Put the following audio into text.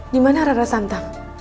dimana rara santam